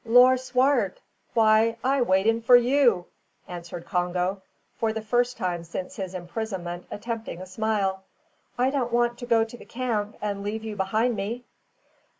"Lor', Swart! why I waiting for you," answered Congo, for the first time since his imprisonment attempting a smile; "I don't want to go to the camp and leave you behind me."